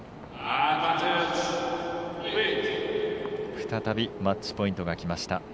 再びマッチポイントがきました。